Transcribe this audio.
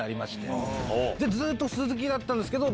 でずっと鈴木だったんですけど